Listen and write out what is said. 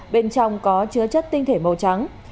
bên trong có chứa chất tinh thể màu trắng